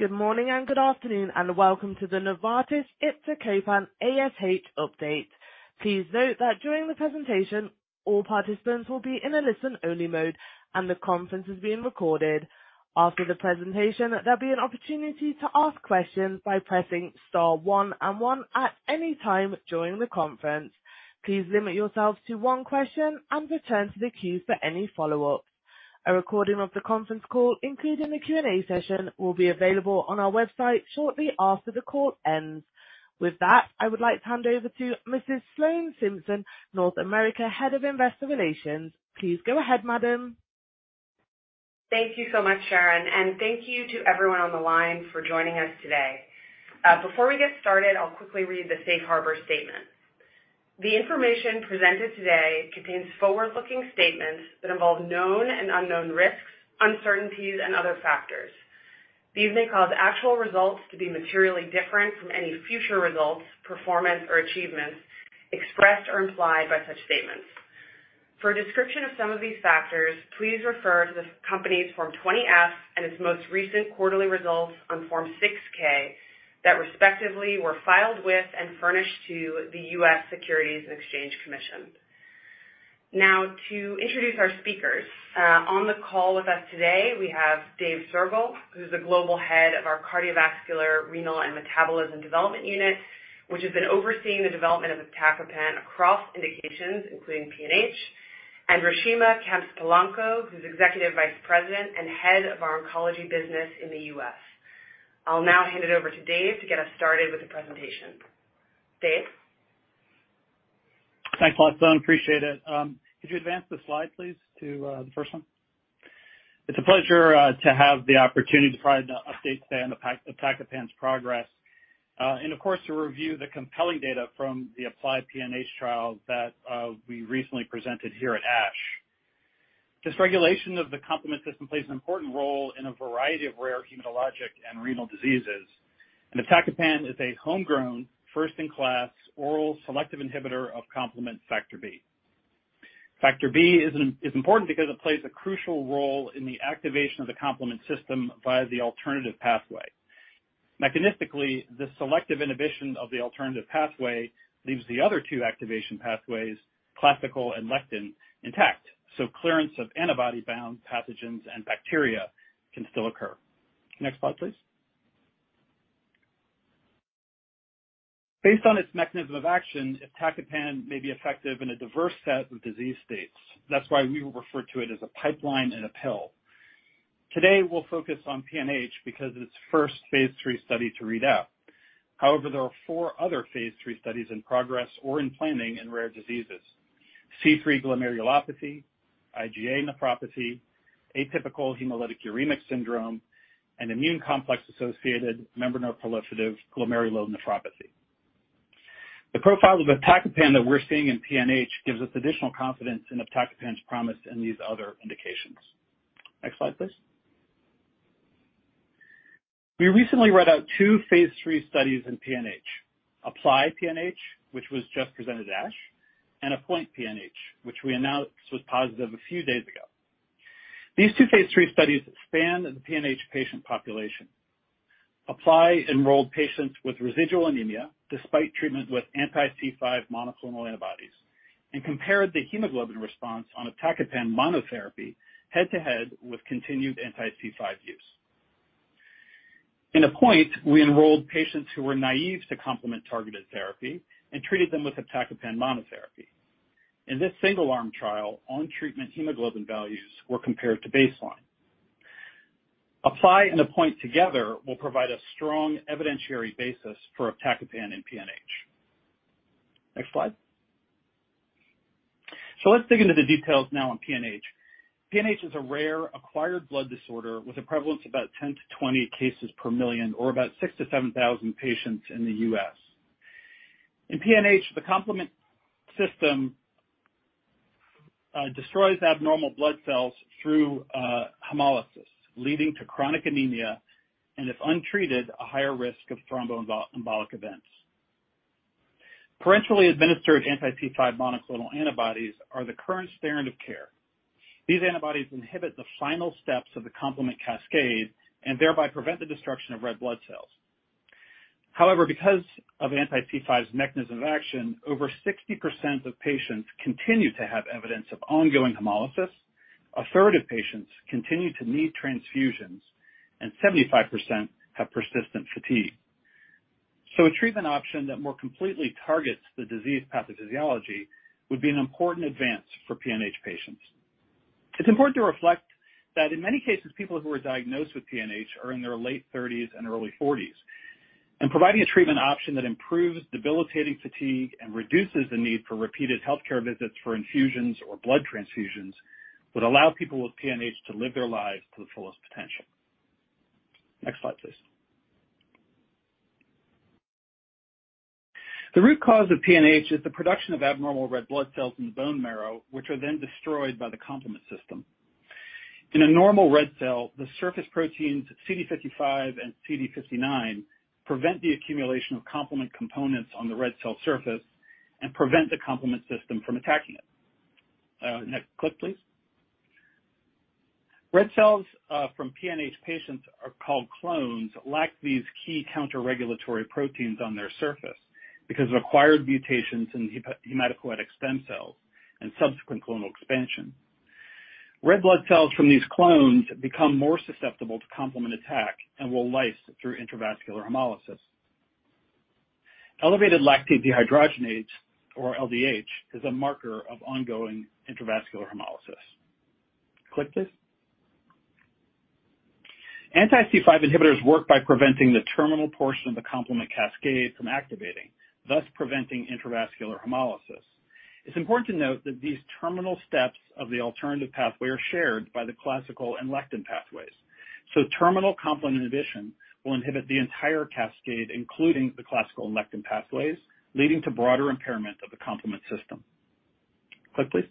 Good morning and good afternoon, welcome to the Novartis iptacopan ASH update. Please note that during the presentation, all participants will be in a listen-only mode, and the conference is being recorded. After the presentation, there'll be an opportunity to ask questions by pressing star one and one at any time during the conference. Please limit yourselves to one question and return to the queue for any follow-ups. A recording of the conference call, including the Q&A session, will be available on our website shortly after the call ends. With that, I would like to hand over to Mrs. Sloan Simpson, North America Head of Investor Relations. Please go ahead, madam. Thank you so much, Sharon, thank you to everyone on the line for joining us today. Before we get started, I'll quickly read the safe harbor statement. The information presented today contains forward-looking statements that involve known and unknown risks, uncertainties, and other factors. These may cause actual results to be materially different from any future results, performance, or achievements expressed or implied by such statements. For a description of some of these factors, please refer to the company's Form 20-F and its most recent quarterly results on Form 6-K that respectively were filed with and furnished to the US Securities and Exchange Commission. Now to introduce our speakers. On the call with us today, we have Dave Soergel, who's the global head of our Cardiovascular, Renal, and Metabolism Development Unit, which has been overseeing the development of iptacopan across indications including PNH, and Reshema Kemps-Polanco, who's Executive Vice President and head of our oncology business in the U.S. I'll now hand it over to Dave to get us started with the presentation. Dave? Thanks a lot, Sloan. Appreciate it. Could you advance the slide, please, to the first one? It's a pleasure to have the opportunity to provide an update today on iptacopan's progress and of course, to review the compelling data from the APPLY-PNH trial that we recently presented here at ASH. Dysregulation of the complement system plays an important role in a variety of rare hematologic and renal diseases. Iptacopan is a homegrown, first-in-class oral selective inhibitor of complement factor B. Factor B is important because it plays a crucial role in the activation of the complement system via the alternative pathway. Mechanistically, the selective inhibition of the alternative pathway leaves the other two activation pathways, classical and lectin, intact. Clearance of antibody-bound pathogens and bacteria can still occur. Next slide, please. Based on its mechanism of action, iptacopan may be effective in a diverse set of disease states. That's why we refer to it as a pipeline in a pill. Today, we'll focus on PNH because of its first phase III study to read out. However, there are four other phase III studies in progress or in planning in rare diseases: C3 glomerulopathy, IgA nephropathy, atypical hemolytic uremic syndrome, and immune complex-associated membranoproliferative glomerulonephropathy. The profiles of iptacopan that we're seeing in PNH gives us additional confidence in iptacopan's promise in these other indications. Next slide, please. We recently read out two phase III studies in PNH, APPLY-PNH, which was just presented at ASH, and APPOINT-PNH, which we announced was positive a few days ago. These two phase III studies span the PNH patient population. APPLY-PNH enrolled patients with residual anemia despite treatment with anti-C5 monoclonal antibodies and compared the hemoglobin response on iptacopan monotherapy head-to-head with continued anti-C5 use. In APPOINT-PNH, we enrolled patients who were naive to complement targeted therapy and treated them with iptacopan monotherapy. In this single-arm trial, on treatment hemoglobin values were compared to baseline. APPLY-PNH and APPOINT-PNH together will provide a strong evidentiary basis for iptacopan in PNH. Next slide. Let's dig into the details now on PNH. PNH is a rare acquired blood disorder with a prevalence of about 10-20 cases per million, or about 6,000-7,000 patients in the U.S. In PNH, the complement system destroys abnormal blood cells through hemolysis, leading to chronic anemia, and if untreated, a higher risk of thromboembolic events. Parenterally administered anti-C5 monoclonal antibodies are the current standard of care. These antibodies inhibit the final steps of the complement cascade and thereby prevent the destruction of red blood cells. Because of anti-C5's mechanism of action, over 60% of patients continue to have evidence of ongoing hemolysis, a third of patients continue to need transfusions, and 75% have persistent fatigue. A treatment option that more completely targets the disease pathophysiology would be an important advance for PNH patients. It's important to reflect that in many cases, people who are diagnosed with PNH are in their late 30s and early 40s, and providing a treatment option that improves debilitating fatigue and reduces the need for repeated healthcare visits for infusions or blood transfusions would allow people with PNH to live their lives to the fullest potential. Next slide, please. The root cause of PNH is the production of abnormal red blood cells in the bone marrow, which are then destroyed by the complement system. In a normal red cell, the surface proteins CD55 and CD59 prevent the accumulation of complement components on the red cell surface and prevent the complement system from attacking it. Next click please. Red cells from PNH patients are called clones, lack these key counter-regulatory proteins on their surface because of acquired mutations in hematopoietic stem cells and subsequent clonal expansion. Red blood cells from these clones become more susceptible to complement attack and will lyse through intravascular hemolysis. Elevated lactate dehydrogenase, or LDH, is a marker of ongoing intravascular hemolysis. Click please. Anti-C5 inhibitors work by preventing the terminal portion of the complement cascade from activating, thus preventing intravascular hemolysis. It's important to note that these terminal steps of the alternative pathway are shared by the classical and lectin pathways, so terminal complement inhibition will inhibit the entire cascade, including the classical and lectin pathways, leading to broader impairment of the complement system. Click please.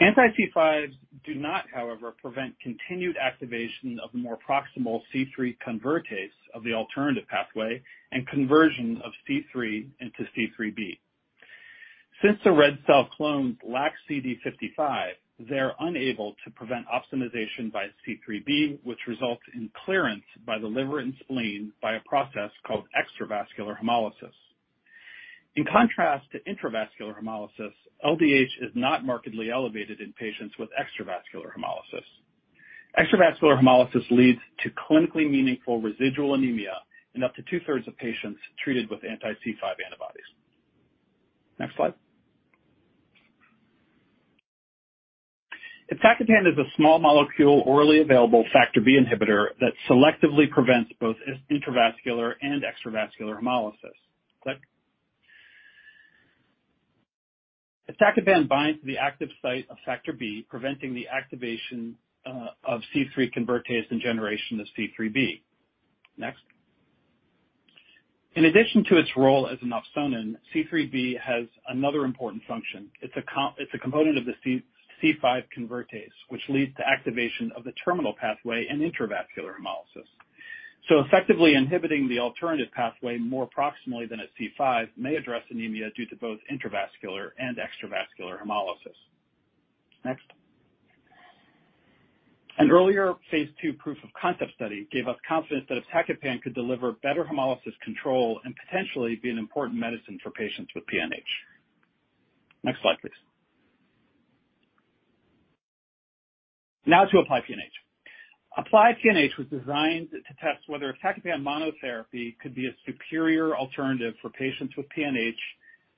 Anti-C5 do not, however, prevent continued activation of the more proximal C3 convertase of the alternative pathway, and conversion of C3 into C3b. Since the red cell clones lack CD55, they are unable to prevent opsonization by C3b, which results in clearance by the liver and spleen by a process called extravascular hemolysis. In contrast to intravascular hemolysis, LDH is not markedly elevated in patients with extravascular hemolysis. Extravascular hemolysis leads to clinically meaningful residual anemia in up to two-thirds of patients treated with anti-C5 antibodies. Next slide. Iptacopan is a small molecule, orally available factor B inhibitor that selectively prevents both intravascular and extravascular hemolysis. Click. Iptacopan binds to the active site of factor B, preventing the activation of C3 convertase and generation of C3b. Next. In addition to its role as an opsonin, C3b has another important function. It's a component of the C5 convertase, which leads to activation of the terminal pathway in intravascular hemolysis. Effectively inhibiting the alternative pathway more proximally than at C5 may address anemia due to both intravascular and extravascular hemolysis. Next. An earlier phase II proof of concept study gave us confidence that iptacopan could deliver better hemolysis control and potentially be an important medicine for patients with PNH. Next slide, please. To APPLY-PNH. APPLY-PNH was designed to test whether iptacopan monotherapy could be a superior alternative for patients with PNH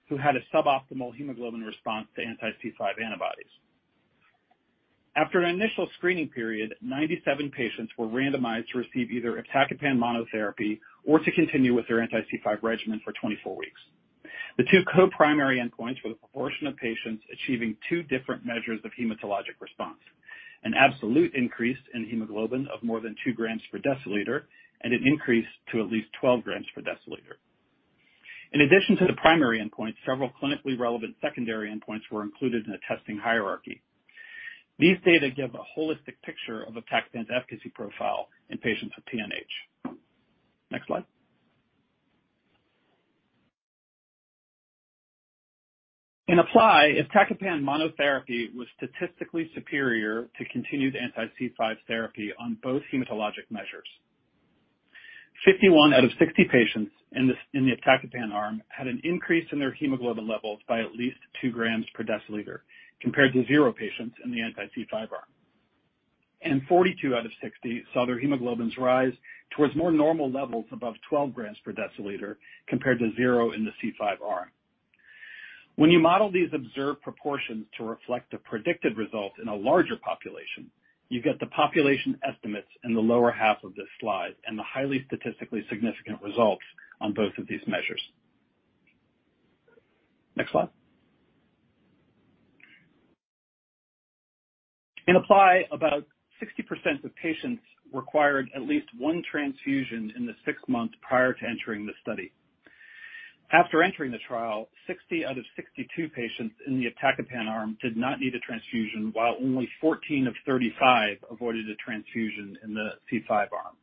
who had a suboptimal hemoglobin response to anti-C5 antibodies. After an initial screening period, 97 patients were randomized to receive either iptacopan monotherapy or to continue with their anti-C5 regimen for 24 weeks. The two co-primary endpoints were the proportion of patients achieving two different measures of hematologic response: an absolute increase in hemoglobin of more than 2 g per deciliter, and an increase to at least 12 g per deciliter. In addition to the primary endpoint, several clinically relevant secondary endpoints were included in the testing hierarchy. These data give a holistic picture of iptacopan's efficacy profile in patients with PNH. Next slide. In APPLY, iptacopan monotherapy was statistically superior to continued anti-C5 therapy on both hematologic measures. 51 out of 60 patients in the iptacopan arm had an increase in their hemoglobin levels by at least 2 g per deciliter, compared to zero patients in the anti-C5 arm. 42 out of 60 saw their hemoglobins rise towards more normal levels above 12 g per deciliter, compared to zero in the C5 arm. When you model these observed proportions to reflect the predicted results in a larger population, you get the population estimates in the lower half of this slide and the highly statistically significant results on both of these measures. Next slide. In APPLY, about 60% of patients required at least one transfusion in the six months prior to entering the study. After entering the trial, 60 out of 62 patients in the iptacopan arm did not need a transfusion, while only 14 of 35 avoided a transfusion in the C5 arm.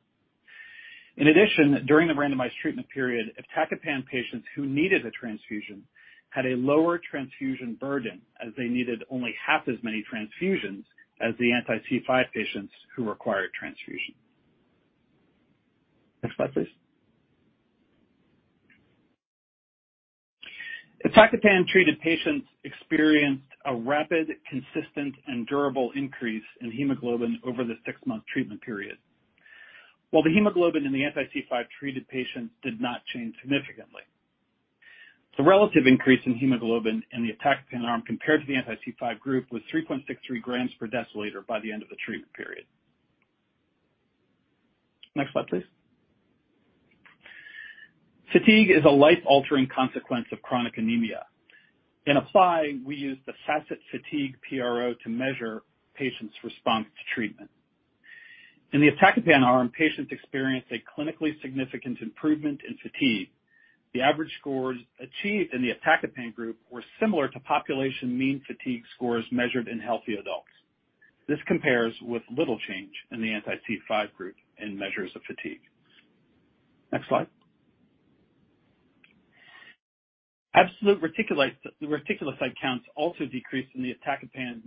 In addition, during the randomized treatment period, iptacopan patients who needed a transfusion had a lower transfusion burden, as they needed only half as many transfusions as the anti-C5 patients who required transfusion. Next slide, please. Iptacopan-treated patients experienced a rapid, consistent, and durable increase in hemoglobin over the 6-month treatment period, while the hemoglobin in the anti-C5 treated patients did not change significantly. The relative increase in hemoglobin in the iptacopan arm compared to the anti-C5 group was 0.63 g per deciliter by the end of the treatment period. Next slide, please. Fatigue is a life-altering consequence of chronic anemia. In APPLY, we used the FACIT-Fatigue PRO to measure patients' response to treatment. In the iptacopan arm, patients experienced a clinically significant improvement in fatigue. The average scores achieved in the iptacopan group were similar to population mean fatigue scores measured in healthy adults. This compares with little change in the anti-C5 group in measures of fatigue. Next slide. Absolute reticulocyte counts also decreased in the iptacopan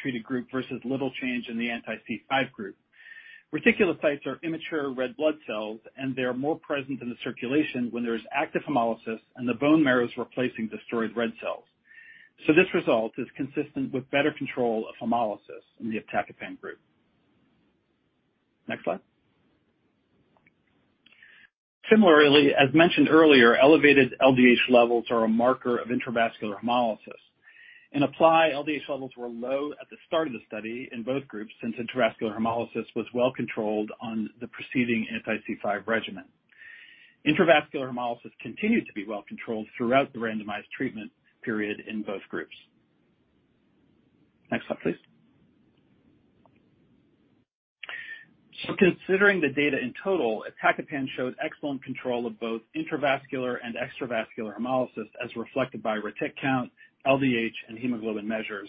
treated group versus little change in the anti-C5 group. Reticulocytes are immature red blood cells, and they are more present in the circulation when there is active hemolysis and the bone marrow is replacing destroyed red cells. This result is consistent with better control of hemolysis in the iptacopan group. Next slide. Similarly, as mentioned earlier, elevated LDH levels are a marker of intravascular hemolysis. In APPLY, LDH levels were low at the start of the study in both groups, since intravascular hemolysis was well controlled on the preceding anti-C5 regimen. Intravascular hemolysis continued to be well controlled throughout the randomized treatment period in both groups. Next slide, please. Considering the data in total, iptacopan showed excellent control of both intravascular and extravascular hemolysis, as reflected by retic count, LDH, and hemoglobin measures.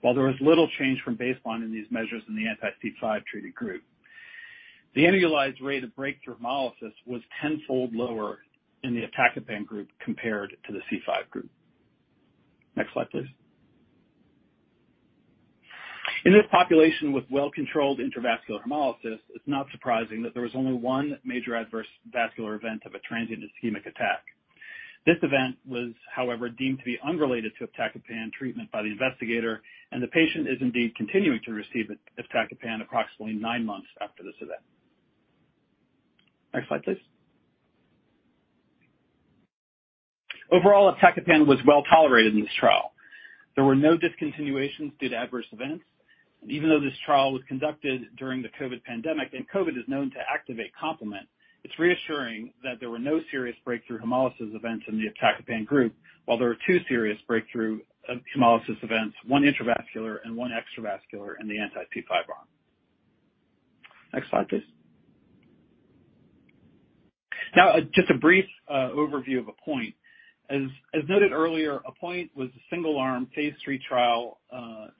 While there was little change from baseline in these measures in the anti-C5 treated group. The annualized rate of breakthrough hemolysis was 10-fold lower in the iptacopan group compared to the C5 group. Next slide, please. In this population with well-controlled intravascular hemolysis, it's not surprising that there was only one major adverse vascular event of a transient ischemic attack. This event was, however, deemed to be unrelated to iptacopan treatment by the investigator, and the patient is indeed continuing to receive iptacopan approximately nine months after this event. Next slide, please. Overall, iptacopan was well tolerated in this trial. There were no discontinuations due to adverse events. Even though this trial was conducted during the COVID pandemic, and COVID is known to activate complement, it's reassuring that there were no serious breakthrough hemolysis events in the iptacopan group. While there were two serious breakthrough hemolysis events, one intravascular and one extravascular in the anti-C5 arm. Next slide, please. Just a brief overview of APPOINT. As noted earlier, APPOINT was a single-arm phase III trial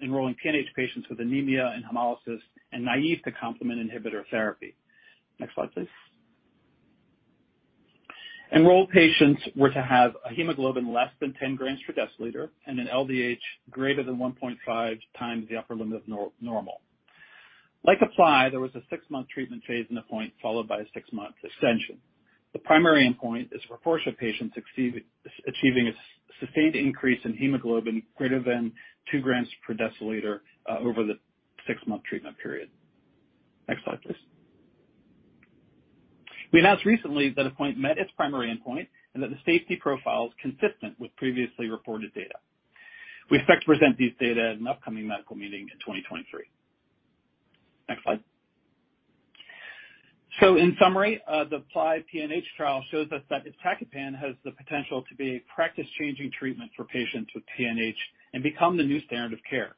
enrolling PNH patients with anemia and hemolysis and naive to complement inhibitor therapy. Next slide, please. Enrolled patients were to have a hemoglobin less than 10 g per deciliter and an LDH greater than 1.5x the upper limit of normal. Like APPLY, there was a six-month treatment phase in APPOINT, followed by a six-month extension. The primary endpoint is for a portion of patients achieving a sustained increase in hemoglobin greater than 2 g per deciliter over the six-month treatment period. Next slide, please. We announced recently that APPOINT met its primary endpoint and that the safety profile is consistent with previously reported data. We expect to present these data at an upcoming medical meeting in 2023. Next slide. In summary, the APPLY-PNH trial shows us that iptacopan has the potential to be a practice-changing treatment for patients with PNH and become the new standard of care.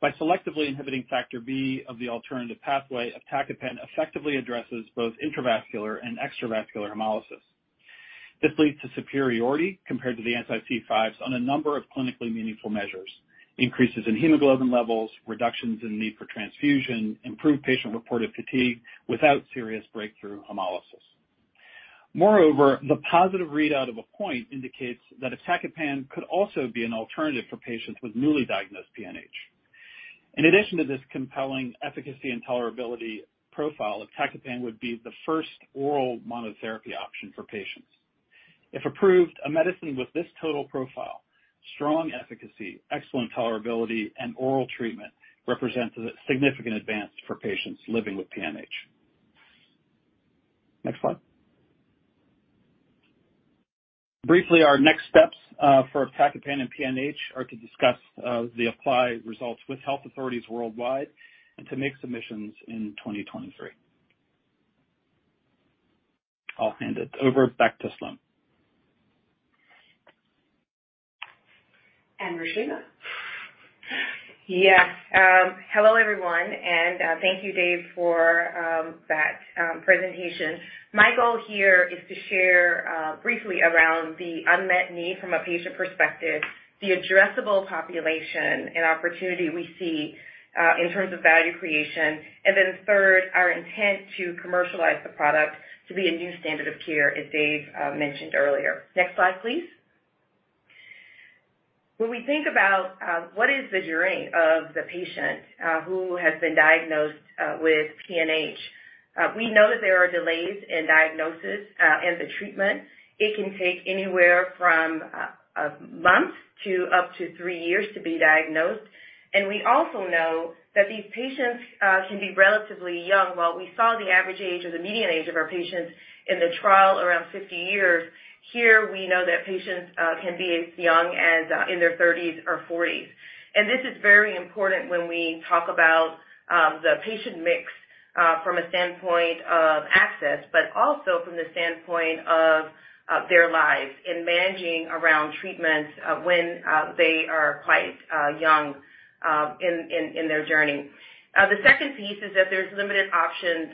By selectively inhibiting factor B of the alternative pathway, iptacopan effectively addresses both intravascular and extravascular hemolysis. This leads to superiority compared to the anti-C5s on a number of clinically meaningful measures. Increases in hemoglobin levels, reductions in need for transfusion, improved patient-reported fatigue without serious breakthrough hemolysis. Moreover, the positive readout of APPOINT indicates that iptacopan could also be an alternative for patients with newly diagnosed PNH. In addition to this compelling efficacy and tolerability profile, iptacopan would be the first oral monotherapy option for patients. If approved, a medicine with this total profile, strong efficacy, excellent tolerability, and oral treatment represents a significant advance for patients living with PNH. Next slide. Briefly, our next steps for iptacopan and PNH are to discuss the APPLY results with health authorities worldwide and to make submissions in 2023. I'll hand it over back to Sloan. Reshema. Yes. Hello, everyone, and thank you, Dave, for that presentation. My goal here is to share briefly around the unmet need from a patient perspective, the addressable population and opportunity we see in terms of value creation, and then third, our intent to commercialize the product to be a new standard of care, as Dave mentioned earlier. Next slide, please. When we think about what is the journey of the patient who has been diagnosed with PNH, we know there are delays in diagnosis and the treatment. It can take anywhere from a month to up to three years to be diagnosed. We also know that these patients can be relatively young. While we saw the average age or the median age of our patients in the trial around 50 years, here we know that patients can be as young as in their 30s or 40s. This is very important when we talk about the patient mix from a standpoint of access, but also from the standpoint of their lives in managing around treatments when they are quite young in their journey. The second piece is that there's limited options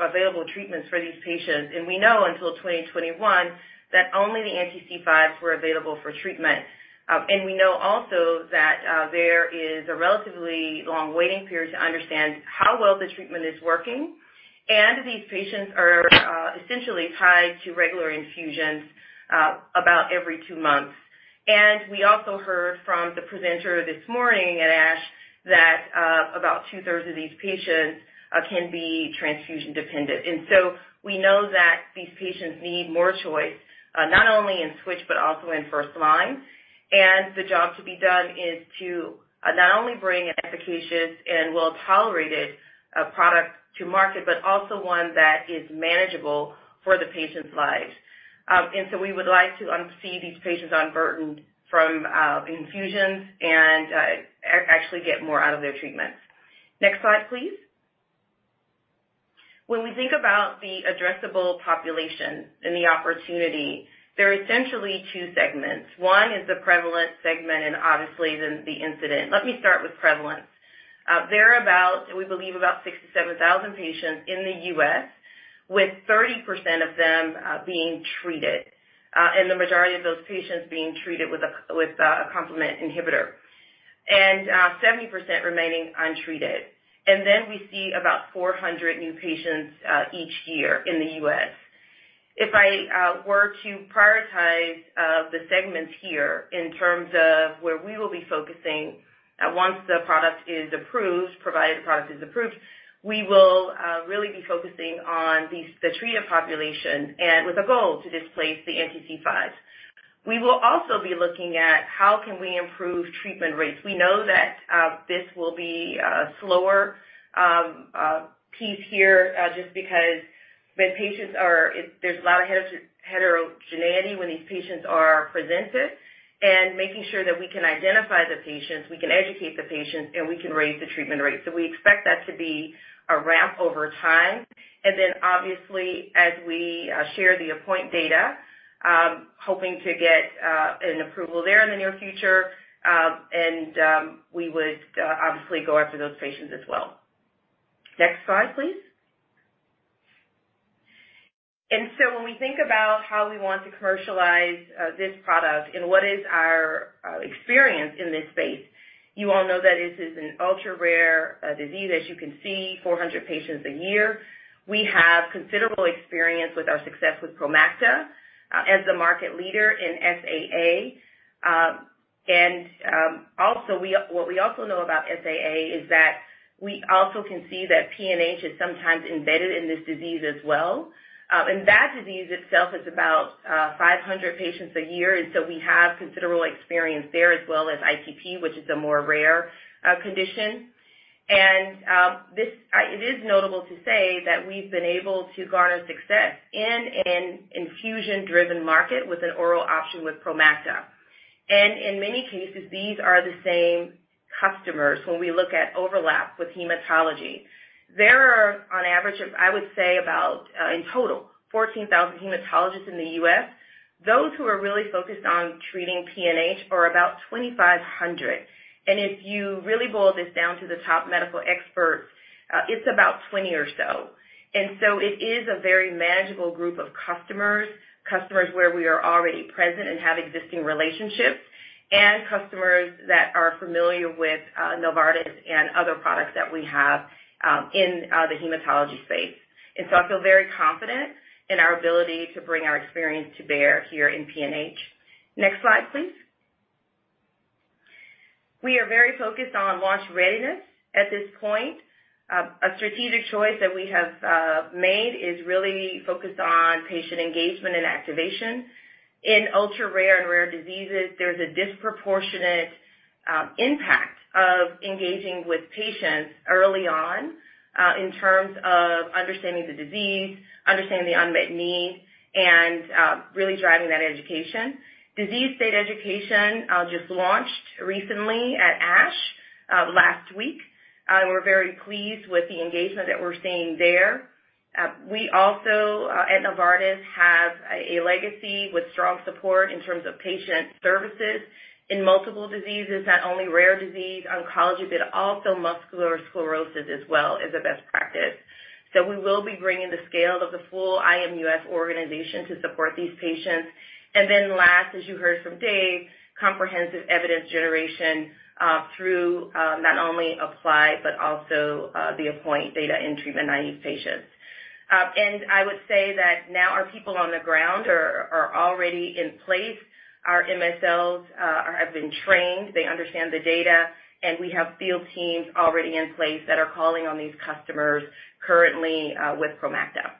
available treatments for these patients. We know until 2021 that only the anti-C5s were available for treatment. We know also that there is a relatively long waiting period to understand how well the treatment is working. These patients are essentially tied to regular infusions about every two months. We also heard from the presenter this morning at ASH that about two-thirds of these patients can be transfusion-dependent. We know that these patients need more choice, not only in switch but also in first line. The job to be done is to not only bring an efficacious and well-tolerated product to market, but also one that is manageable for the patient's lives. We would like to see these patients unburdened from infusions and actually get more out of their treatments. Next slide, please. When we think about the addressable population and the opportunity, there are essentially two segments. One is the prevalent segment and obviously then the incident. Let me start with prevalent. There are about, we believe, about 67,000 patients in the U.S., with 30% of them being treated, and the majority of those patients being treated with a complement inhibitor. 70% remaining untreated. We see about 400 new patients each year in the U.S. If I were to prioritize the segments here in terms of where we will be focusing, once the product is approved, provided the product is approved, we will really be focusing on the treated population and with a goal to displace the anti-C5. We will also be looking at how can we improve treatment rates. We know that this will be a slower piece here, just because when patients are there's a lot of heterogeneity when these patients are presented and making sure that we can identify the patients, we can educate the patients, and we can raise the treatment rates. We expect that to be a ramp over time. Obviously, as we share the APPOINT data, hoping to get an approval there in the near future, we would obviously go after those patients as well. Next slide, please. When we think about how we want to commercialize this product and what is our experience in this space, you all know that this is an ultra-rare disease. As you can see, 400 patients a year. We have considerable experience with our success with Promacta as the market leader in SAA. Also, what we also know about SAA is that we also can see that PNH is sometimes embedded in this disease as well. That disease itself is about 500 patients a year. So we have considerable experience there as well as ITP, which is a more rare condition. This, it is notable to say that we've been able to garner success in an infusion-driven market with an oral option with Promacta. In many cases, these are the same customers when we look at overlap with hematology. There are, on average, I would say about, in total, 14,000 hematologists in the U.S. Those who are really focused on treating PNH are about 2,500. If you really boil this down to the top medical experts, it's about 20 or so. It is a very manageable group of customers where we are already present and have existing relationships, and customers that are familiar with Novartis and other products that we have in the hematology space. I feel very confident in our ability to bring our experience to bear here in PNH. Next slide, please. We are very focused on launch readiness at this point. A strategic choice that we have made is really focused on patient engagement and activation. In ultra-rare and rare diseases, there's a disproportionate impact of engaging with patients early on in terms of understanding the disease, understanding the unmet need, and really driving that education. Disease state education, just launched recently at ASH, last week. We're very pleased with the engagement that we're seeing there. We also, at Novartis, have a legacy with strong support in terms of patient services in multiple diseases, not only rare disease oncology but also multiple sclerosis as well as a best practice. We will be bringing the scale of the full IM US organization to support these patients. Last, as you heard from Dave, comprehensive evidence generation, through, not only APPLY-PNH but also, the APPOINT-PNH data in treatment-naïve patients. I would say that now our people on the ground are already in place. Our MSLs have been trained, they understand the data, and we have field teams already in place that are calling on these customers currently, with Promacta.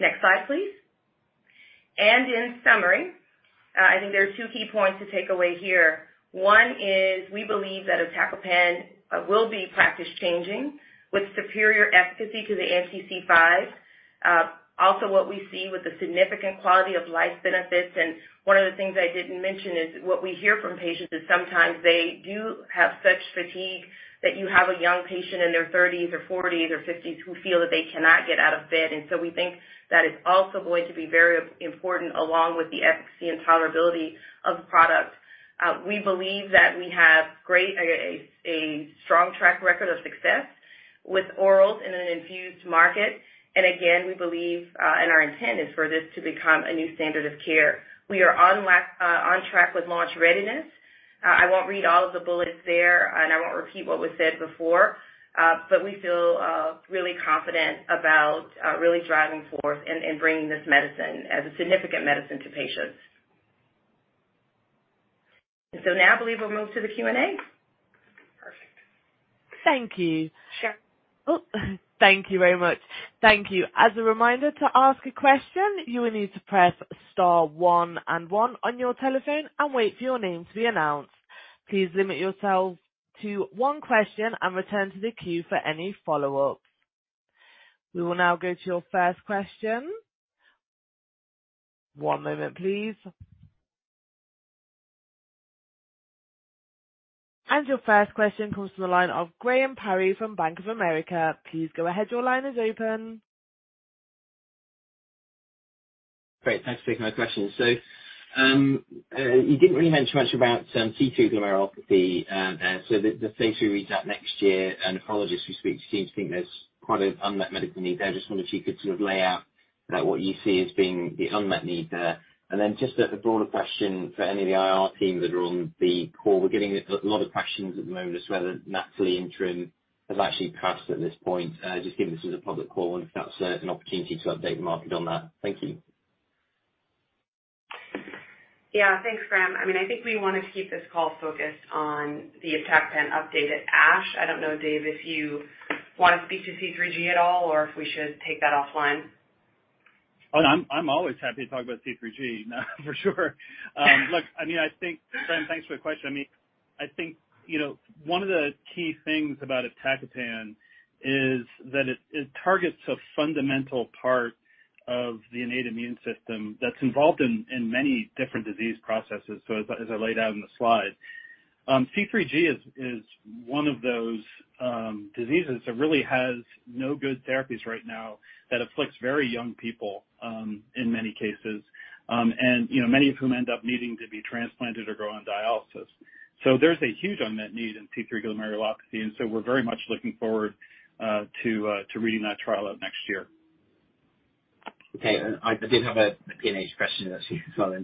Next slide, please. In summary, I think there are two key points to take away here. One is we believe that iptacopan will be practice-changing with superior efficacy to the anti-C5. Also what we see with the significant quality of life benefits, and one of the things I didn't mention is what we hear from patients is sometimes they do have such fatigue that you have a young patient in their 30s or 40s or 50s who feel that they cannot get out of bed. We think that is also going to be very important, along with the efficacy and tolerability of the product. We believe that we have a strong track record of success with orals in an infused market. Again, we believe, and our intent is for this to become a new standard of care. We are on track with launch readiness. I won't read all of the bullets there, and I won't repeat what was said before, but we feel really confident about really driving forth and bringing this medicine as a significant medicine to patients. And so now I believe we'll move to the Q&A. Perfect. Thank you. Sure. Oh, thank you very much. Thank you. As a reminder, to ask a question, you will need to press star one and one on your telephone and wait for your name to be announced. Please limit yourself to one question and return to the queue for any follow-ups. We will now go to your first question. One moment, please. Your first question comes from the line of Graham Parry from Bank of America. Please go ahead. Your line is open. Great. Thanks for taking my question. You didn't really mention much about C3 glomerulopathy, so the phase III read out next year, and nephrologists we speak to seem to think there's quite an unmet medical need there. I just wondered if you could sort of lay out what you see as being the unmet need there. Just a broader question for any of the IR team that are on the call. We're getting a lot of questions at the moment as to whether Natalie interim has actually passed at this point. Just given this is a public call and if that's an opportunity to update the market on that. Thank you. Thanks, Graham. I mean, I think we wanted to keep this call focused on the iptacopan update at ASH. I don't know, Dave, if you want to speak to C3G at all or if we should take that offline. Oh, no. I'm always happy to talk about C3G, for sure. Look, I mean, I think, Graham, thanks for the question. I mean, I think, you know, one of the key things about iptacopan is that it targets a fundamental part of the innate immune system that's involved in many different disease processes, so as I laid out in the slide. C3G is one of those diseases that really has no good therapies right now that afflicts very young people, in many cases, and, you know, many of whom end up needing to be transplanted or go on dialysis. There's a huge unmet need in C3 glomerulopathy, and so we're very much looking forward to reading that trial out next year. Okay. I did have a PNH question actually as well.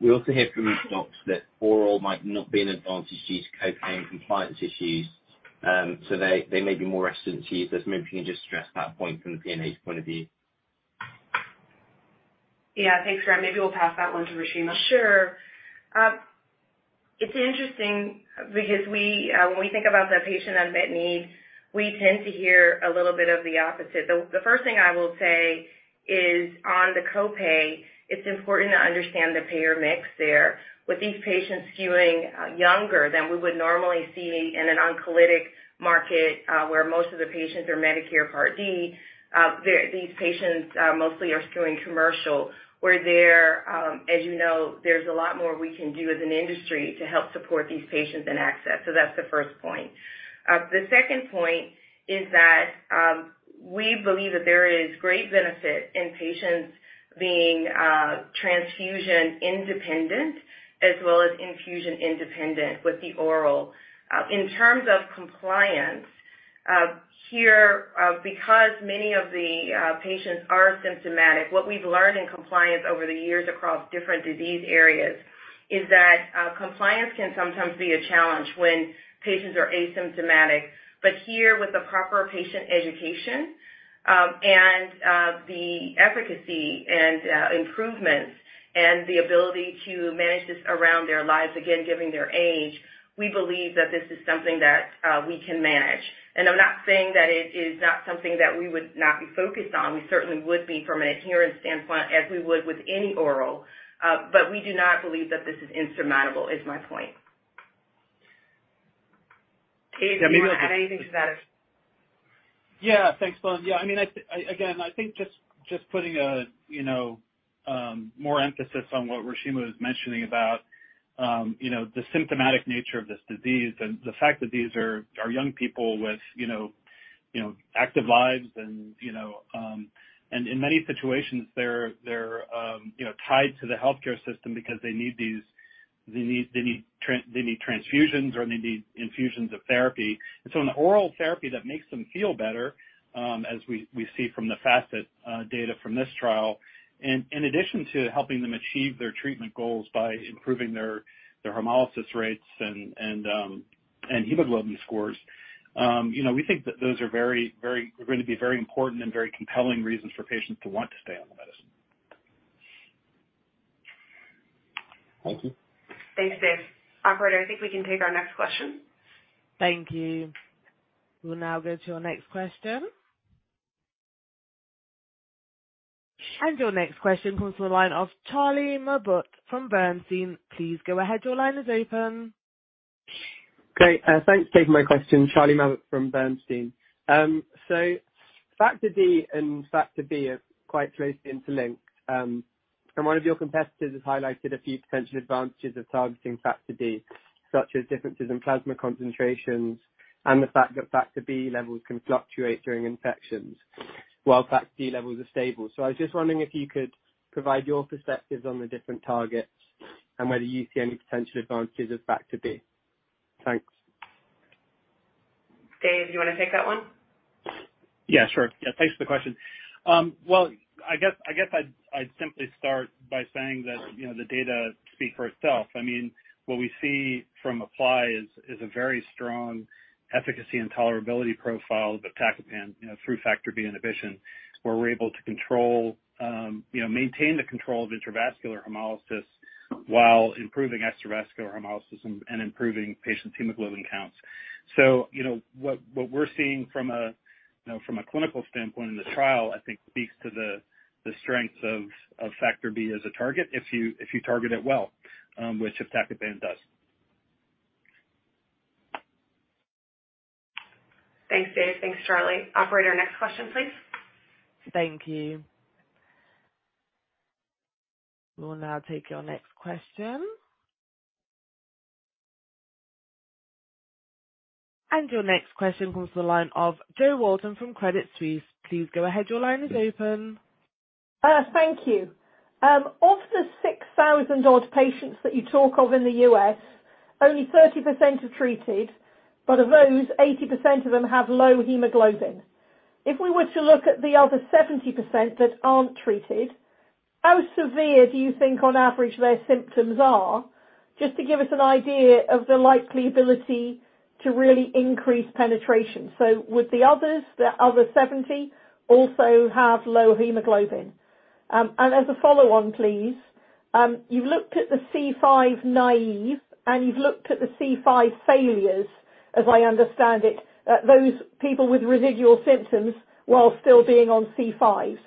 We also hear from some docs that oral might not be an advantage due to co-pay and compliance issues, so they may be more reticent to use this. Maybe if you can just stress that point from the PNH point of view. Yeah. Thanks, Graham. Maybe we'll pass that one to Reshema. Sure. It's interesting because we, when we think about the patient unmet needs, we tend to hear a little bit of the opposite. The first thing I will say is on the co-pay, it's important to understand the payer mix there. With these patients skewing younger than we would normally see in an oncolytic market, where most of the patients are Medicare Part D, these patients mostly are skewing commercial, where there, as you know, there's a lot more we can do as an industry to help support these patients and access. That's the first point. The second point is that, we believe that there is great benefit in patients being transfusion independent as well as infusion independent with the oral. In terms of compliance, here, because many of the patients are asymptomatic, what we've learned in compliance over the years across different disease areas is that compliance can sometimes be a challenge when patients are asymptomatic. Here, with the proper patient education, and the efficacy and improvements and the ability to manage this around their lives, again, given their age, we believe that this is something that we can manage. I'm not saying that it is not something that we would not be focused on. We certainly would be from an adherence standpoint as we would with any oral, but we do not believe that this is insurmountable is my point. Dave, do you want to add anything to that. Yeah. Thanks, Reshema. Yeah, I mean, Again, I think just putting a, you know, more emphasis on what Reshema was mentioning about, you know, the symptomatic nature of this disease and the fact that these are young people with, you know, active lives and, you know, and in many situations they're, you know, tied to the healthcare system because they need these, they need transfusions or they need infusions of therapy. An oral therapy that makes them feel better, as we see from the FACIT data from this trial, and in addition to helping them achieve their treatment goals by improving their hemolysis rates and hemoglobin scores, you know, we think that those are very important and very compelling reasons for patients to want to stay on the medicine. Thank you. Thanks, Dave. Operator, I think we can take our next question. Thank you. We'll now go to our next question. Your next question comes from the line of Charlie Mabbutt from Bernstein. Please go ahead. Your line is open. Great. Thanks for taking my question. Charlie Mabbutt from Bernstein. Factor D and factor B are quite closely interlinked. One of your competitors has highlighted a few potential advantages of targeting factor D, such as differences in plasma concentrations and the fact that factor B levels can fluctuate during infections while factor D levels are stable. I was just wondering if you could provide your perspectives on the different targets and whether you see any potential advantages of factor B. Thanks. Dave, do you wanna take that one? Sure. Thanks for the question. Well, I'd simply start by saying that, you know, the data speak for itself. I mean, what we see from APPLY is a very strong efficacy and tolerability profile of iptacopan, you know, through factor B inhibition, where we're able to control, you know, maintain the control of intravascular hemolysis while improving extravascular hemolysis and improving patient hemoglobin counts. You know, what we're seeing from a, you know, from a clinical standpoint in the trial, I think speaks to the strengths of factor B as a target if you target it well, which if iptacopan does. Thanks, Dave. Thanks, Charlie. Operator, next question, please. Thank you. We'll now take your next question. Your next question comes to the line of Jo Walton from Credit Suisse. Please go ahead. Your line is open. Thank you. Of the 6,000 odd patients that you talk of in the U.S., only 30% are treated, but of those, 80% of them have low hemoglobin. If we were to look at the other 70% that aren't treated, how severe do you think on average their symptoms are, just to give us an idea of the likely ability to really increase penetration? Would the others, the other 70%, also have low hemoglobin? As a follow-on, please, you've looked at the C5 naive, and you've looked at the C5 failures, as I understand it, those people with residual symptoms while still being on C5s.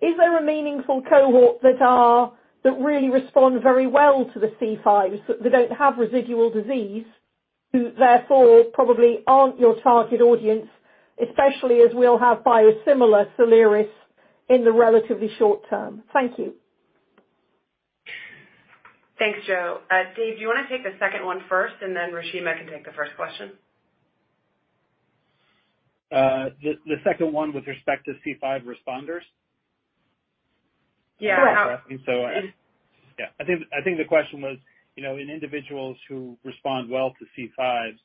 Is there a meaningful cohort that are, that really respond very well to the C5s that they don't have residual disease, who therefore probably aren't your target audience, especially as we'll have biosimilar Soliris in the relatively short term? Thank you. Thanks, Jo. Dave, do you wanna take the second one first, and then Reshema can take the first question? The second one with respect to C5 responders? Yeah. Yeah. I think the question was, you know, in individuals who respond well to C5s,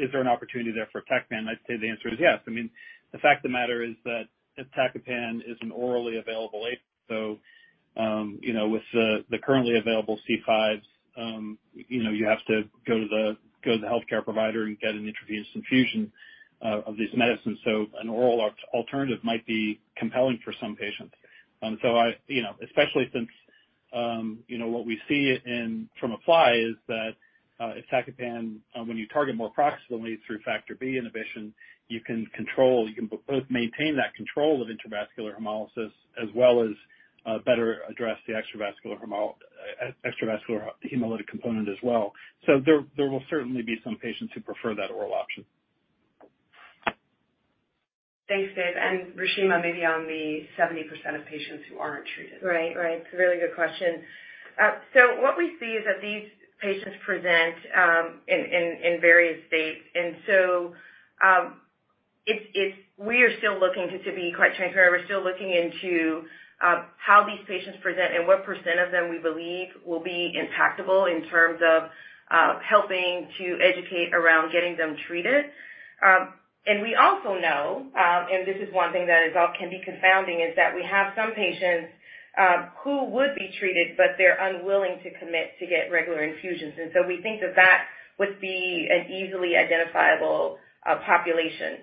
is there an opportunity there for iptacopan? I'd say the answer is yes. I mean, the fact of the matter is that iptacopan is an orally available agent. I mean, you know, with the currently available C5s, you know, you have to go to the healthcare provider and get an intravenous infusion of these medicines. An oral alternative might be compelling for some patients. I, you know, especially since, you know, what we see in, from APPLY is that, if iptacopan, when you target more proximally through factor B inhibition, you can control, you can both maintain that control of intravascular hemolysis as well as, better address the extravascular hemolytic component as well. There will certainly be some patients who prefer that oral option. Thanks, Dave. Reshema, maybe on the 70% of patients who aren't treated. Right. Right. It's a really good question. What we see is that these patients present in various states. We are still looking, to be quite transparent, we're still looking into how these patients present and what percent of them we believe will be impactable in terms of helping to educate around getting them treated. We also know, this is one thing that can be confounding, is that we have some patients who would be treated, but they're unwilling to commit to get regular infusions. We think that that would be an easily identifiable population.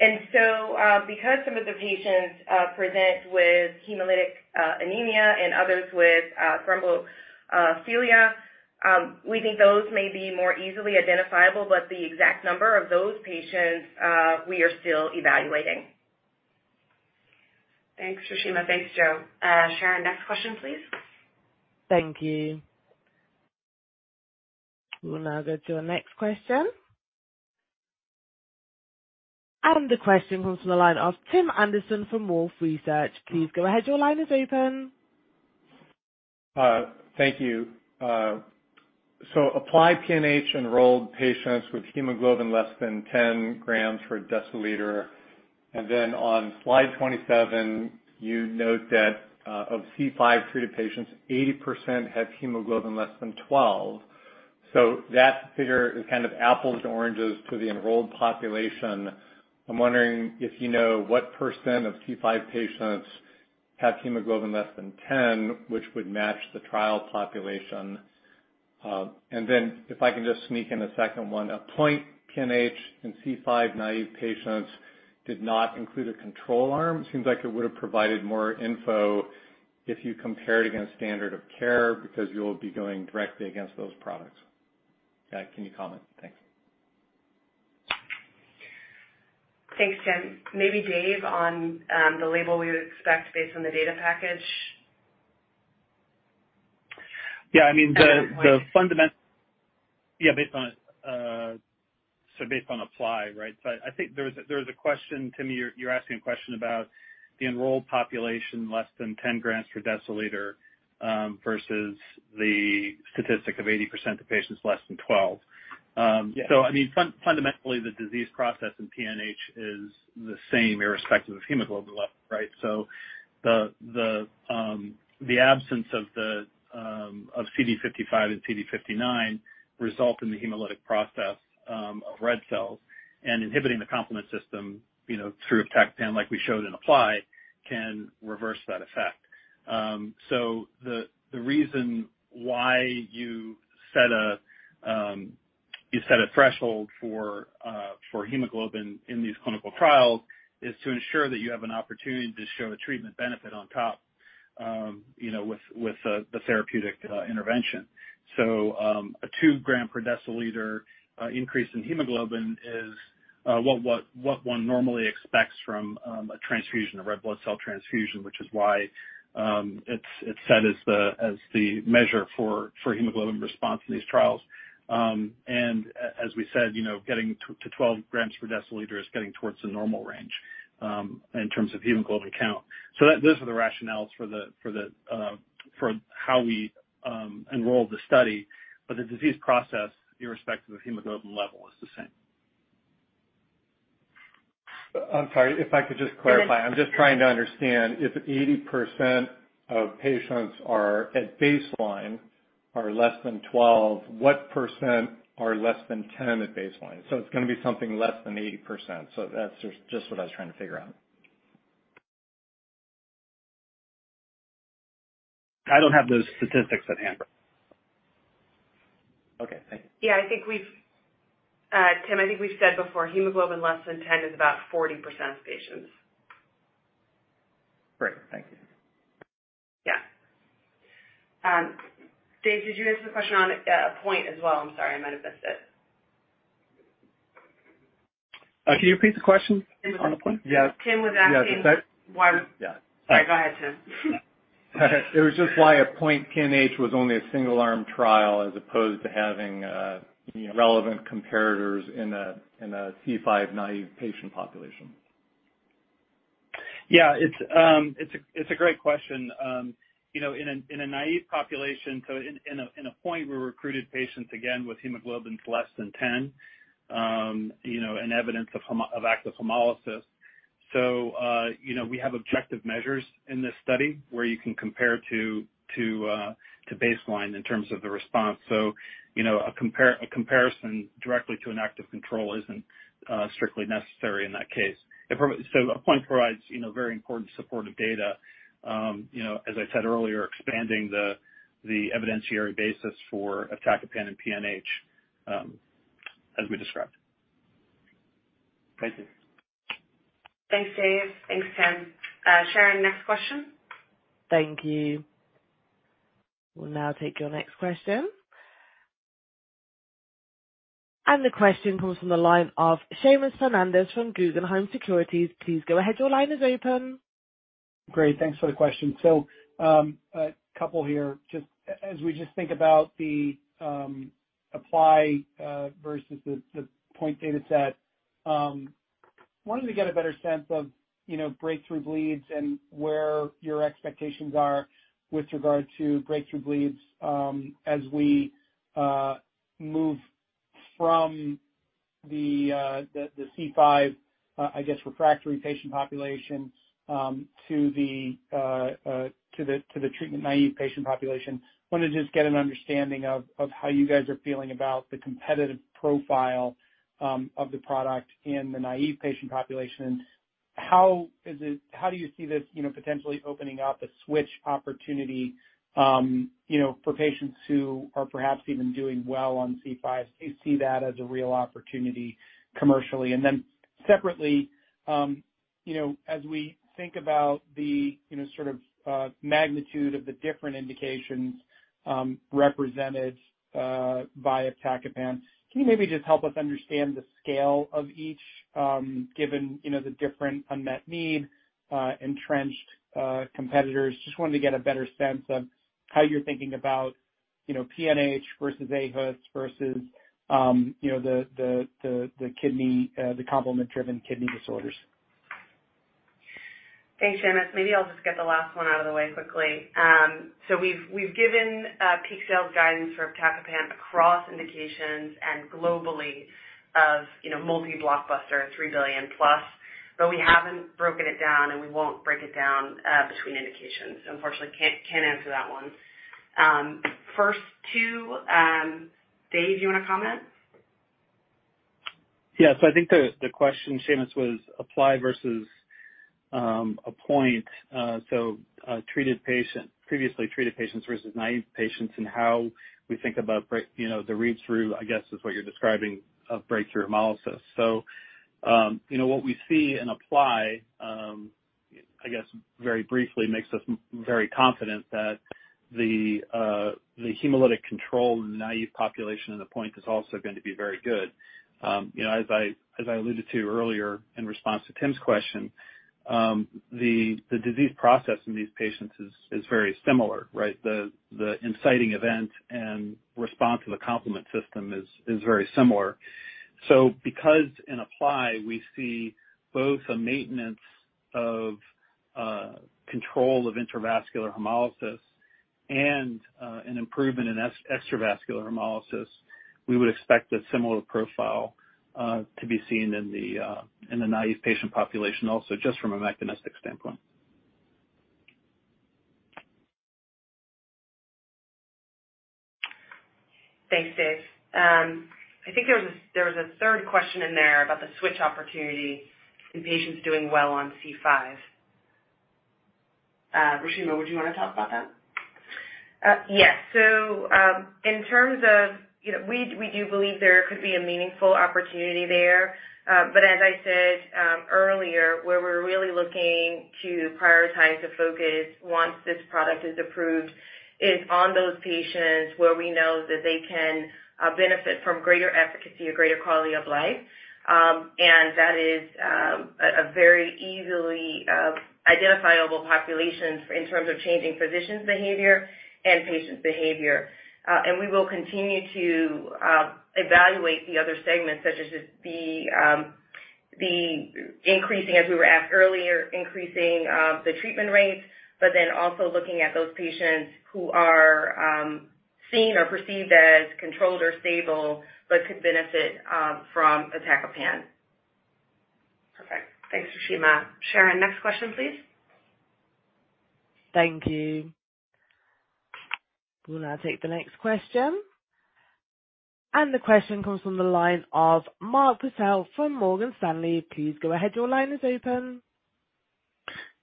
Because some of the patients present with hemolytic anemia and others with thrombophilia, we think those may be more easily identifiable. The exact number of those patients, we are still evaluating. Thanks, Reshema. Thanks, Jo. Sharon, next question, please. Thank you. We'll now go to our next question. The question comes from the line of Tim Anderson from Wolfe Research. Please go ahead. Your line is open. Thank you. APPLY-PNH enrolled patients with hemoglobin less than 10 g per deciliter. On slide 27, you note that of anti-C5 treated patients, 80% have hemoglobin less than 12. That figure is kind of apples to oranges to the enrolled population. I'm wondering if you know what percent of anti-C5 patients have hemoglobin less than 10, which would match the trial population. If I can just sneak in a second one. APPLY-PNH in anti-C5 naive patients did not include a control arm. It seems like it would have provided more info if you compared against standard of care because you'll be going directly against those products. Can you comment? Thanks. Thanks, Tim. Maybe Dave on, the label we would expect based on the data package. Yeah. I mean, And- Yeah, based on APPLY, right? I think there was a question, Tim, you're asking a question about the enrolled population less than 10 g per deciliter versus the statistic of 80% of patients less than 12. I mean, fundamentally, the disease process in PNH is the same irrespective of hemoglobin level, right? The absence of CD55 and CD59 result in the hemolytic process of red cells and inhibiting the complement system, you know, through iptacopan like we showed in APPLY can reverse that effect. The reason why you set a threshold for hemoglobin in these clinical trials is to ensure that you have an opportunity to show a treatment benefit on top, you know, with the therapeutic intervention. A 2 gram per deciliter increase in hemoglobin is what one normally expects from a transfusion, a red blood cell transfusion, which is why it's set as the measure for hemoglobin response in these trials. As we said, you know, getting to 12 grams per deciliter is getting towards the normal range in terms of hemoglobin count. Those are the rationales for how we enroll the study. The disease process, irrespective of hemoglobin level, is the same. I'm sorry if I could just clarify. Go ahead. I'm just trying to understand if 80% of patients are at baseline are less than 12, what percent are less than 10 at baseline? It's going to be something less than 80%. That's just what I was trying to figure out. I don't have those statistics at hand. Okay, thank you. I think we've, Tim, I think we've said before, hemoglobin less than 10 is about 40% of patients. Great. Thank you. Dave, did you answer the question on APPOINT as well? I'm sorry, I might have missed it. Can you repeat the question on APPOINT? Yeah. Tim was asking. Yes, is. Why was- Yeah. Sorry, go ahead, Tim. It was just why APPOINT-PNH was only a single arm trial as opposed to having, you know, relevant comparators in a, in a C5 naive patient population. It's a, it's a great question. You know, in a naive population, in APPOINT we recruited patients again with hemoglobins less than 10, you know, and evidence of active hemolysis. You know, we have objective measures in this study where you can compare to baseline in terms of the response. You know, a comparison directly to an active control isn't strictly necessary in that case. APPOINT provides, you know, very important supportive data, you know, as I said earlier, expanding the evidentiary basis for iptacopan and PNH, as we described. Thank you. Thanks, Dave. Thanks, Tim. Sharon, next question. Thank you. We'll now take your next question. The question comes from the line of Seamus Fernandez from Guggenheim Securities. Please go ahead. Your line is open. Great, thanks for the question. A couple here, just as we just think about the APPLY versus the APPOINT dataset, wanted to get a better sense of, you know, breakthrough bleeds and where your expectations are with regard to breakthrough bleeds, as we move from the C5, I guess refractory patient population, to the treatment-naive patient population. Want to just get an understanding of how you guys are feeling about the competitive profile of the product in the naive patient population? How do you see this, you know, potentially opening up a switch opportunity, you know, for patients who are perhaps even doing well on C5? Do you see that as a real opportunity commercially? Separately, you know, as we think about the, you know, sort of magnitude of the different indications, represented by iptacopan, can you maybe just help us understand the scale of each, given, you know, the different unmet need, entrenched competitors? Just wanted to get a better sense of how you're thinking about, you know, PNH versus aHUS versus, you know, the, the kidney, the complement driven kidney disorders. Thanks, Seamus. Maybe I'll just get the last one out of the way quickly. We've given peak sales guidance for iptacopan across indications and globally of multi-blockbuster, $3 billion+, but we haven't broken it down, and we won't break it down between indications. Unfortunately, can't answer that one. First two, Dave, you wanna comment? Yeah. I think the question, Seamus, was APPLY versus APPOINT. Previously treated patients versus naive patients, and how we think about, you know, the read-through, I guess, is what you're describing of breakthrough hemolysis. You know, what we see in APPLY, I guess very briefly, makes us very confident that the hemolytic control in the naive population in APPOINT is also going to be very good. You know, as I alluded to earlier in response to Tim's question, the disease process in these patients is very similar, right? The inciting event and response to the complement system is very similar. Because in APPLY we see both a maintenance of control of intravascular hemolysis and an improvement in extravascular hemolysis, we would expect a similar profile to be seen in the naive patient population also, just from a mechanistic standpoint. Thanks, Dave. I think there was a third question in there about the switch opportunity in patients doing well on C5. Reshema, would you wanna talk about that? Yes. In terms of, you know, we do believe there could be a meaningful opportunity there. As I said, earlier, where we're really looking to prioritize the focus once this product is approved is on those patients where we know that they can benefit from greater efficacy or greater quality of life. That is a very easily identifiable population for in terms of changing physicians' behavior and patients' behavior. We will continue to evaluate the other segments such as the increasing as we were asked earlier, increasing the treatment rates, but then also looking at those patients who are seen or perceived as controlled or stable but could benefit from iptacopan. Perfect. Thanks, Reshema. Sharon, next question, please. Thank you. We'll now take the next question. The question comes from the line of Mark Purcell from Morgan Stanley. Please go ahead. Your line is open.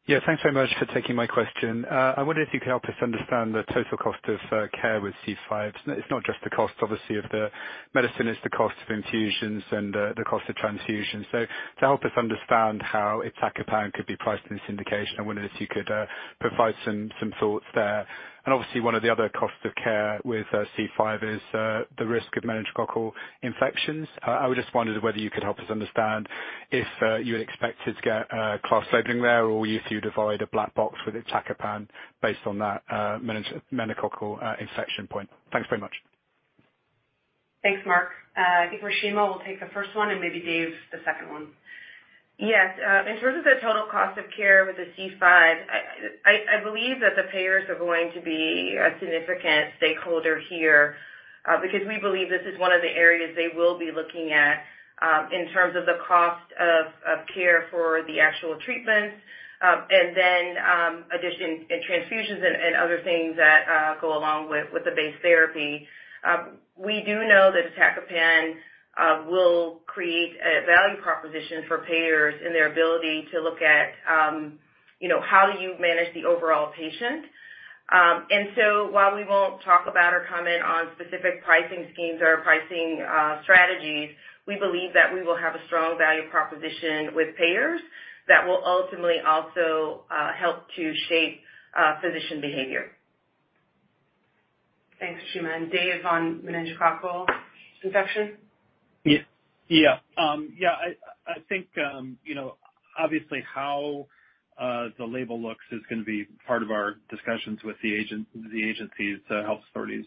Yeah. Thanks very much for taking my question. I wonder if you could help us understand the total cost of care with C5. It's not just the cost obviously of the medicine, it's the cost of infusions and the cost of transfusion. To help us understand how iptacopan could be priced in this indication, I wondered if you could provide some thoughts there. Obviously, one of the other costs of care with C5 is the risk of meningococcal infections. I just wondered whether you could help us understand if you had expected to get class labeling there or if you'd avoid a black box with iptacopan based on that meningococcal infection point. Thanks very much. Thanks, Mark. I think Reshema will take the first one and maybe Dave, the second one. Yes. In terms of the total cost of care with the C5, I believe that the payers are going to be a significant stakeholder here, because we believe this is one of the areas they will be looking at, in terms of the cost of care for the actual treatments. Addition and transfusions and other things that go along with the base therapy. We do know that iptacopan will create a value proposition for payers in their ability to look at, you know, how do you manage the overall patient. While we won't talk about or comment on specific pricing schemes or pricing strategies, we believe that we will have a strong value proposition with payers that will ultimately also help to shape physician behavior. Thanks, Reshema. Dave, on meningococcal infection. Yeah. Yeah. Yeah, I think, you know, obviously how the label looks is gonna be part of our discussions with the agencies, the health authorities,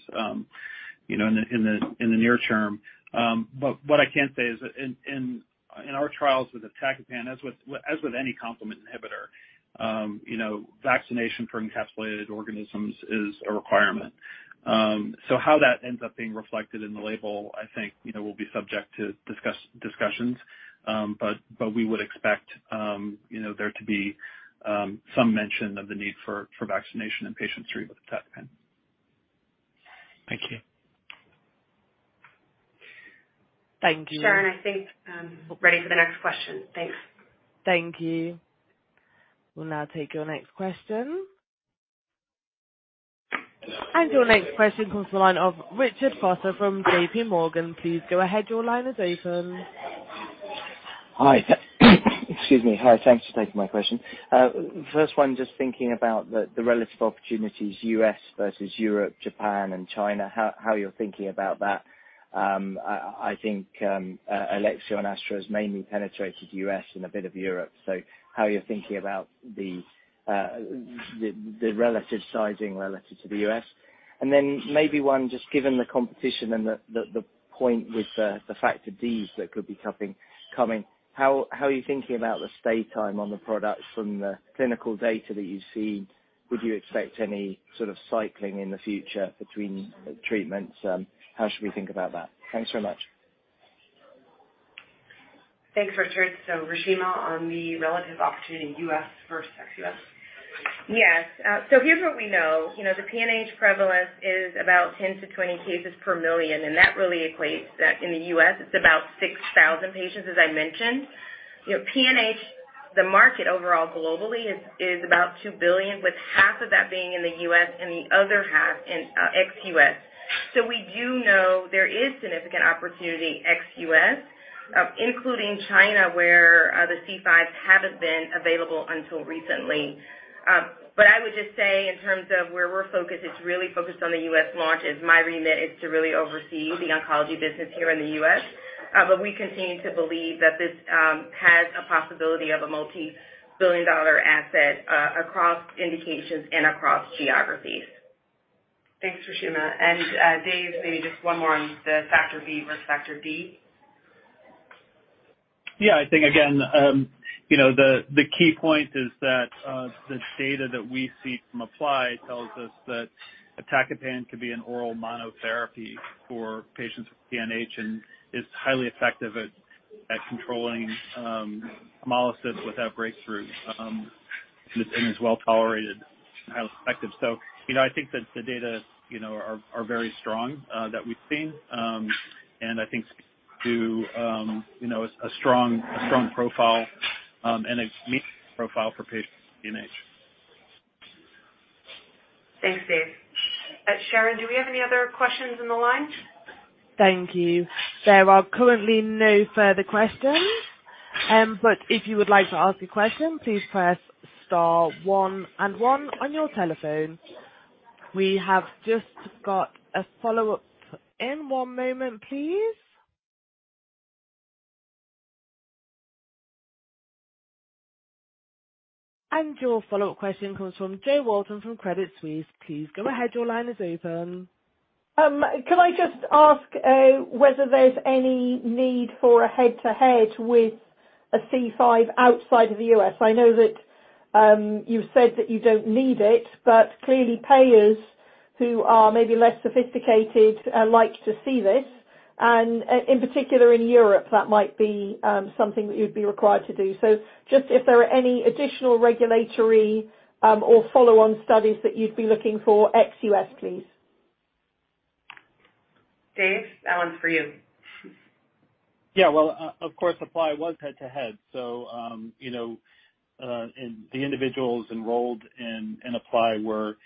you know, in the near term. What I can say is in our trials with iptacopan, as with any complement inhibitor, you know, vaccination for encapsulated organisms is a requirement. How that ends up being reflected in the label, I think, you know, will be subject to discussions. We would expect, you know, there to be some mention of the need for vaccination in patients treated with iptacopan. Thank you. Thank you. Sharon, I think, we're ready for the next question. Thanks. Thank you. We'll now take your next question. Your next question comes the line of Richard Vosser from JP Morgan. Please go ahead. Your line is open. Hi. Excuse me. Hi. Thanks for taking my question. First one, just thinking about the relative opportunities U.S. versus Europe, Japan, and China, how you're thinking about that? I think Alexion, Astro has mainly penetrated U.S. and a bit of Europe. How you're thinking about the relative sizing relative to the U.S.? Maybe one just given the competition and the point with the Factor Bs that could be coming, how are you thinking about the stay time on the products from the clinical data that you've seen? Would you expect any sort of cycling in the future between treatments? How should we think about that? Thanks so much. Thanks, Richard. Reshema, on the relative opportunity in U.S. versus ex-U.S. Yes. Here's what we know. You know, the PNH prevalence is about 10-20 cases per million, that really equates that in the US it's about 6,000 patients, as I mentioned. You know, PNH, the market overall globally is about $2 billion, with half of that being in the U.S. and the other half in ex-US. We do know there is significant opportunity ex-U.S., including China, where the C5s haven't been available until recently. I would just say in terms of where we're focused, it's really focused on the U.S. launch. As my remit is to really oversee the oncology business here in the U.S., we continue to believe that this has a possibility of a multi-billion dollar asset across indications and across geographies. Thanks, Reshema. Dave, maybe just one more on the factor B versus factor D. Yeah, I think again, you know, the key point is that the data that we see from APPLY tells us that iptacopan can be an oral monotherapy for patients with PNH and is highly effective at controlling hemolysis without breakthrough and is well-tolerated and highly effective. You know, I think that the data, you know, are very strong that we've seen. I think to, you know, a strong profile and a unique profile for patients with PNH. Thanks, Dave. Sharon, do we have any other questions in the line? Thank you. There are currently no further questions. If you would like to ask a question, please press star one and one on your telephone. We have just got a follow-up. One moment, please. Your follow-up question comes from Jo Walton from Credit Suisse. Please go ahead. Your line is open. Can I just ask whether there's any need for a head-to-head with a C5 outside of the U.S.? I know that you've said that you don't need it, but clearly payers who are maybe less sophisticated are like to see this. In particular in Europe, that might be something that you'd be required to do. Just if there are any additional regulatory or follow-on studies that you'd be looking for ex-U.S., please. Dave, that one's for you. Yeah, well, of course, APPLY was head to head, so, you know, and the individuals enrolled in APPLY were,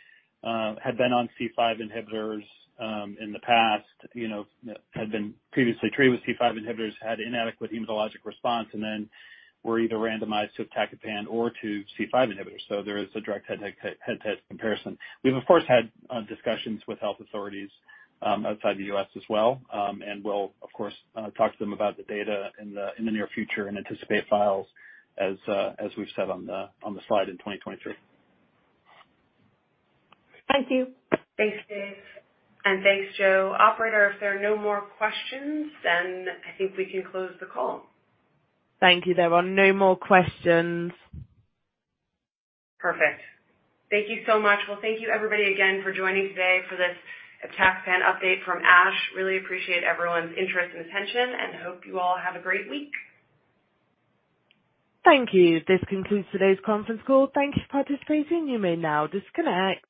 had been on C5 inhibitors, in the past. You know, had been previously treated with C5 inhibitors, had inadequate hematologic response, and then were either randomized to iptacopan or to C5 inhibitors. There is a direct head-to-head comparison. We've of course had discussions with health authorities outside the U.S. as well. We'll of course, talk to them about the data in the near future and anticipate files as we've said on the slide in 2023. Thank you. Thanks, Dave. Thanks, Jo. Operator, if there are no more questions, I think we can close the call. Thank you. There are no more questions. Perfect. Thank you so much. Well, thank you everybody again for joining today for this iptacopan update from ASH. Really appreciate everyone's interest and attention and hope you all have a great week. Thank you. This concludes today's conference call. Thank you for participating. You may now disconnect.